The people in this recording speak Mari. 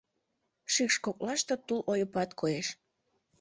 Шикш коклаште тул ойыпат коеш.